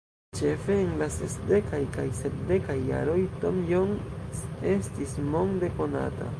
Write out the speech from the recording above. Ĉefe en la sesdekaj kaj sepdekaj jaroj Tom Jones estis monde konata.